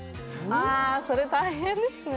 あそれ大変ですね